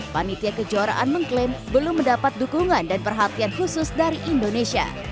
panitia kejuaraan mengklaim belum mendapat dukungan dan perhatian khusus dari indonesia